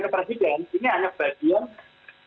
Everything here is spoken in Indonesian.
ke presiden ini hanya bagian